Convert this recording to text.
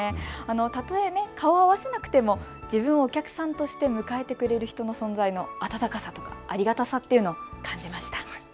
たとえ顔を合わせなくても自分をお客さんとして迎えてくれる人の存在、温かさやありがたさを感じました。